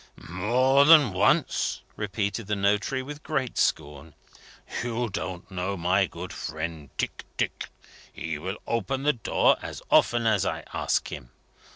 "More than once?" repeated the notary, with great scorn. "You don't know my good friend, Tick Tick! He will open the door as often as I ask him.